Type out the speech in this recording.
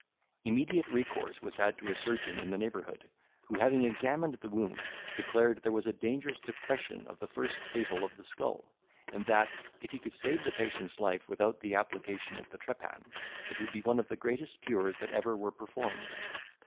Immediate recourse was had to a surgeon in the neighbourhood, who, having examined the wound, declared there was a dangerous depression of the first table of the skull, and that, if he could save the patient's life without the application of the trepan, it would be one of the greatest cures that ever were performed.